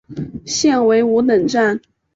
现为五等站。